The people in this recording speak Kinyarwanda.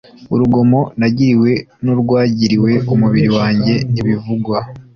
Urugomo nagiriwe n’urwagiriwe umubiri wanjye ntibivugwa